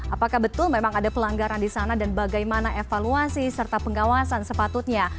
apakah betul memang ada pelanggaran di sana dan bagaimana evaluasi serta pengawasan sepatutnya